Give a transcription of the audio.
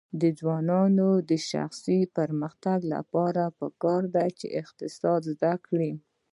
د ځوانانو د شخصي پرمختګ لپاره پکار ده چې اقتصاد زده کړي.